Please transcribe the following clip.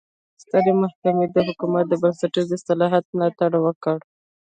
سترې محکمې او حکومت د بنسټیزو اصلاحاتو ملاتړ وکړ.